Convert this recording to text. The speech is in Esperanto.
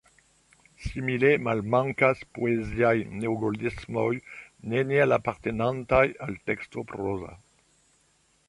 Simile malmankas poeziaj neologismoj, neniel apartenantaj al teksto proza.